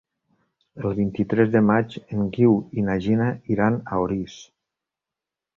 El vint-i-tres de maig en Guiu i na Gina iran a Orís.